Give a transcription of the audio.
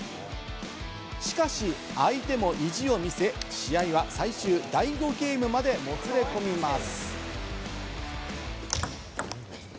しかし、相手も意地を見せ、試合は最終第５ゲームまで、もつれ込みます。